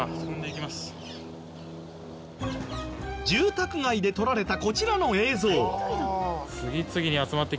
住宅街で撮られたこちらの映像。